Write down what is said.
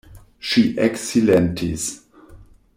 Ŝi eksilentis.